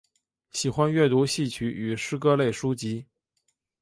喜欢阅读戏曲与诗歌类书籍。